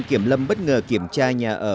kiểm lâm bất ngờ kiểm tra nhà ở